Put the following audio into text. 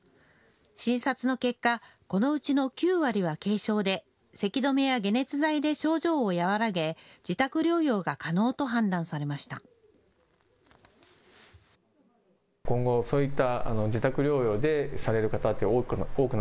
診察の結果、このうちの９割は軽症でせき止めや解熱剤で症状を和らげ自宅療養が可能と判断されました。